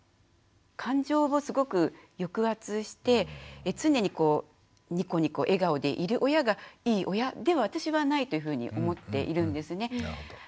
感情をすごく抑圧して常にこうニコニコ笑顔でいる親がいい親では私はないというふうに思っているんですね。